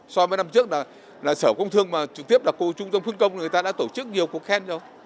so với năm trước là sở công thương mà trực tiếp là trung tâm phương công người ta đã tổ chức nhiều cuộc khen rồi